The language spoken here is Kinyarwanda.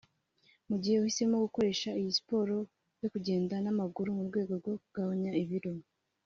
Mugihe uhisemo gukoresha iyi siporo yo kugenda n’amaguru mu rwego rwo kugabanya ibiro